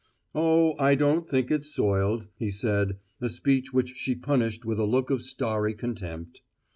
"Oh, I don't think it's soiled," he said, a speech which she punished with a look of starry contempt.